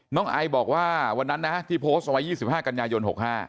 ไอบอกว่าวันนั้นนะที่โพสต์เอาไว้๒๕กันยายน๖๕